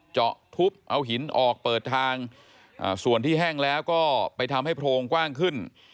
เจาะทุบเอาหินออกเปิดทางส่วนที่แห้งแล้วก็ไปทำให้โพรงกว้างขึ้น